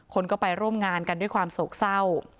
คนก็ไปร่วมงานกันด้วยความโศกเศร้า